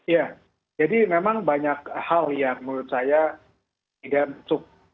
ya jadi memang banyak hal yang menurut saya tidak cukup